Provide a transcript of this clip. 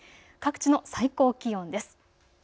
各地の最高気温です。